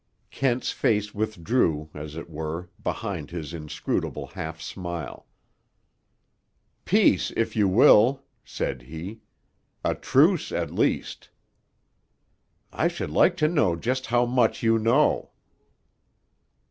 Kent's face withdrew, as it were, behind his inscrutable half smile. "Peace, if you will," said he. "A truce, at least." "I should like to know just how much you know."